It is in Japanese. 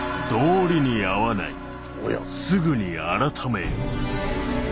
「すぐに改めよ」。